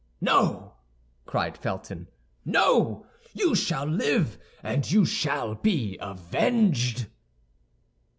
"No," cried Felton, "no; you shall live and you shall be avenged."